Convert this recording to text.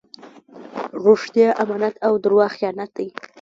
رښتیا امانت او درواغ خیانت دئ.